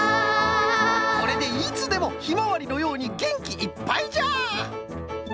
これでいつでもヒマワリのようにげんきいっぱいじゃ！